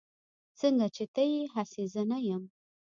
سنګه چې ته يي هسې زه نه يم